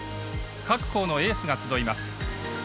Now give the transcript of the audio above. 各校のエースが集います。